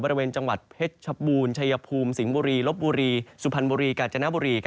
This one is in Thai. บริเวณจังหวัดเพชรชบูรณ์ชัยภูมิสิงห์บุรีลบบุรีสุพรรณบุรีกาญจนบุรี